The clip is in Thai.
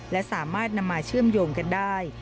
และสามารถนำมาเชื่อมโยงกันได้